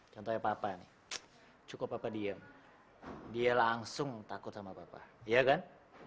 contohnya papa nih cukup papa diem dia langsung takut sama papa iya kan